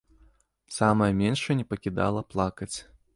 Самая меншая не пакідала плакаць.